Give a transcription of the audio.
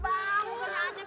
emang itu orang aja tuh